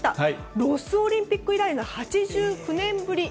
ロスオリンピック以来の８９年ぶり